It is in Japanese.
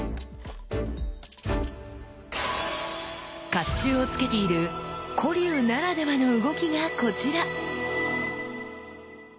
甲冑を着けている古流ならではの動きがこちら。